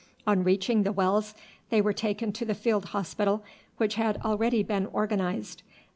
On reaching the wells they were taken to the field hospital, which had already been organized.